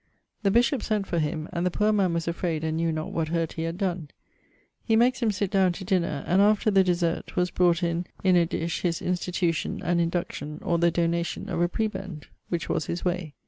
The bishop sent for him, and the poor man was afrayd and knew not what hurt he had donne. makes him sitt downe to dinner; and, after the desert, was brought in in a dish his institution and induction, or the donation, of a prebend: which was his way.